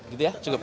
gitu ya cukup